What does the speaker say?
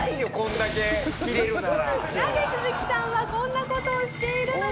なぜスズキさんはこんな事をしているのか？